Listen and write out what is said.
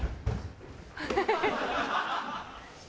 ハハハハ。